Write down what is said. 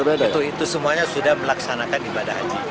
itu semuanya sudah melaksanakan ibadah haji